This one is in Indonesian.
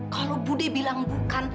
kalau budi bilang bukan